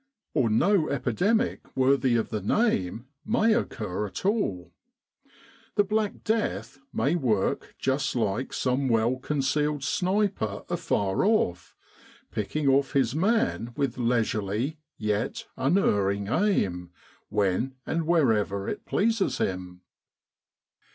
Or no epidemic worthy of the name may occur at all. The Black Death may work just like some well concealed sniper afar off, picking off his man with leisurely yet unerring aim when and wherever it pleases him.